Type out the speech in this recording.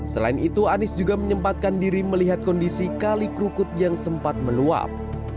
selain itu anies juga menyempatkan diri melihat kondisi kali krukut yang sempat meluap